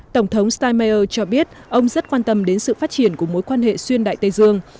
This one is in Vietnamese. tổng thống steinmeier cho biết ông rất quan tâm đến sự phát triển của mối quan hệ xuyên đại tây dương